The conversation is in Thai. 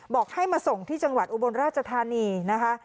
บอกให้มาส่งที่จังหวัดอุบลราชธานีนะคะ